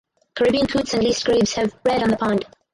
Caribbean coots and least grebes have bred on the pond.